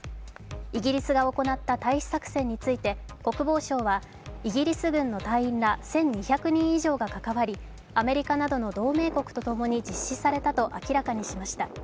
イギリスが行った退避作戦について国防相はイギリス軍の隊員ら１２００人以上がかかわり、アメリカなどの同盟国とともに実施されたと明らかにしました。